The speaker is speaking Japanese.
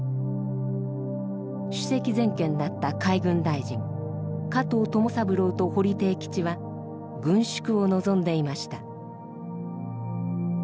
首席全権だった海軍大臣加藤友三郎と堀悌吉は軍縮を望んでいました。